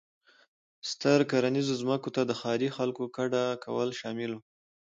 ستر کرنیزو ځمکو ته د ښاري خلکو کډه کول شامل و.